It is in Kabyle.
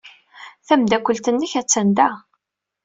Tameddakelt-nnek attan da.